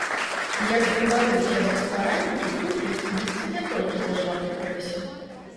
Як дэкларуюць яго стваральнікі, тут ёсць месца не толькі дзяржаўнай прэсе.